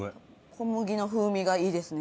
小麦の風味がいいですね。